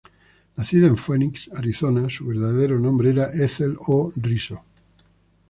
Nacida en Phoenix, Arizona, su verdadero nombre era Ethel O. Risso.